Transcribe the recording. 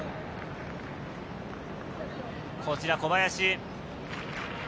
こちら小林。